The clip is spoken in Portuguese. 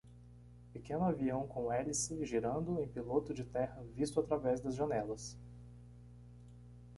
Pequeno avião com hélice girando em piloto de terra visto através das janelas